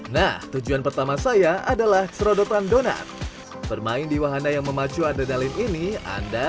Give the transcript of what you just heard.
nah tujuan pertama saya adalah serodotan donat bermain di wahana yang memacu adrenalin ini anda